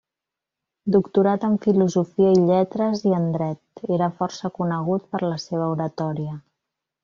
Doctorat en filosofia i lletres i en dret, era força conegut per la seva oratòria.